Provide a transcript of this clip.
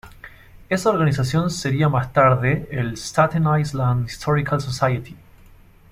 Esa organización sería más tarde el Staten Island Historical Society.